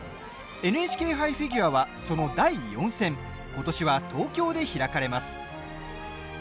「ＮＨＫ杯フィギュア」はその第４戦ことしは東京で開かれます。